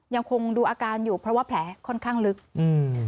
ยังคงดูอาการอยู่เพราะว่าแผลค่อนข้างลึกอืม